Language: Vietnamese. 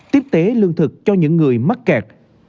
tiếp tế lương thực cho những người mắc kẹt